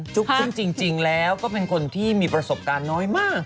ซึ่งจริงแล้วก็เป็นคนที่มีประสบการณ์น้อยมาก